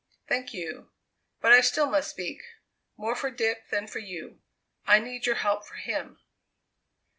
"Thank you. But I still must speak more for Dick than for you. I need your help for him."